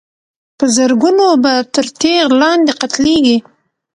په زرګونو به تر تېغ لاندي قتلیږي